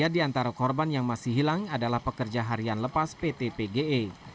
tiga di antara korban yang masih hilang adalah pekerja harian lepas pt pge